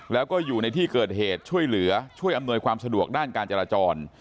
แล้วก็อยู่ในที่เกิดเหตุช่วยเหลือช่วยอำนวยความสะดวกด้านการจราจร